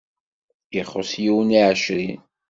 Ixuṣṣ yiwen i ɛecrin.